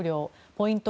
ポイント